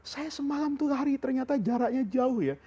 saya semalam itu lari ternyata jaraknya jauh ya